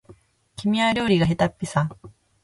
君は料理がへたっぴさ